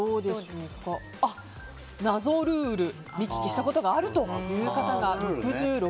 謎ルール、見聞きしたことがあるという方が６６％。